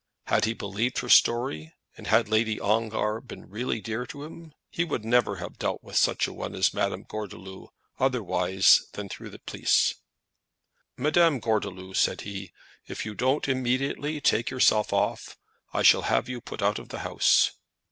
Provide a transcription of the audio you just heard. Had he believed her story, and had Lady Ongar been really dear to him, he would never have dealt with such a one as Madame Gordeloup otherwise than through the police. "Madame Gordeloup," said he, "if you don't immediately take yourself off, I shall have you put out of the house."